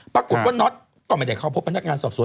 ปรากฏว่าน็อตก็ไม่ได้เข้าพบพนักงานสอบสวน